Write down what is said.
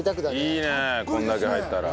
いいねこんだけ入ったら。